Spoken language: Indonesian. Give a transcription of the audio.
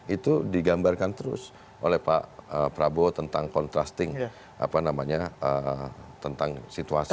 itu digambarkan terus oleh pak prabowo tentang contrasting apa namanya tentang situasi